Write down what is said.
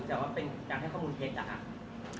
แต่ว่าเป็นการให้ข้อมูลเท็จนะครับ